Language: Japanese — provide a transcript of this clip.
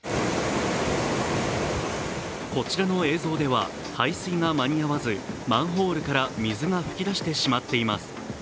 こちらの映像では、排水が間に合わずマンホールから水が噴き出してしまっています